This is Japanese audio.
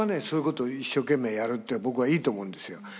そういうことを一生懸命やるって僕はいいと思うんですよ。